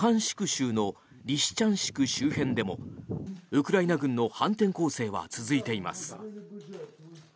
州のリシチャンシク周辺でもウクライナ軍の反転攻勢は続いています。